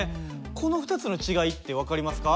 この２つの違いって分かりますか？